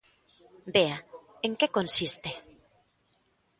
Bea, en que consiste?